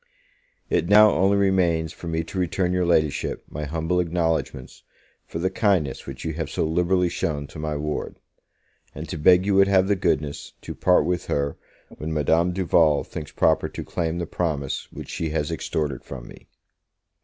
It now only remains for me to return your Ladyship my humble acknowledgments for the kindness which you have so liberally shown to my ward; and to beg you would have the goodness to part with her when Madame Duval thinks proper to claim the promise which she has extorted from me.